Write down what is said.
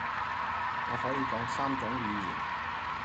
我可以講三種語言